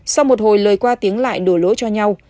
sau một hồi lời qua tiếng lại đổ lỗi cho nhau